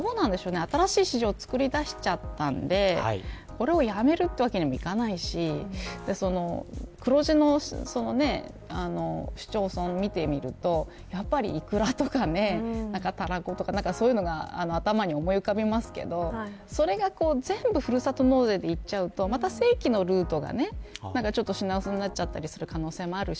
新しい市場を作りだしちゃったのでこれをやめるわけにもいかないし黒字の市町村を見てみるとやっぱりいくらとか、たらことかそういうのが頭に思い浮かびますけどそれが全部ふるさと納税にいっちゃうとまた正規のルートの方で品薄になる可能性もあります